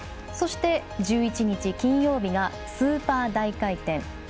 そして１１日金曜日がスーパー大回転。